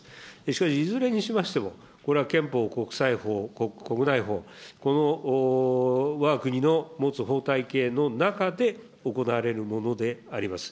しかし、いずれにしましても、これは憲法、国際法、国内法、このわが国の持つ法体系の中で、行われるものであります。